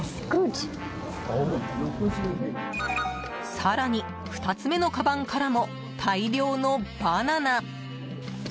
更に、２つ目のかばんからも大量のバナナ。